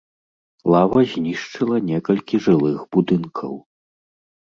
Лава знішчыла некалькі жылых будынкаў.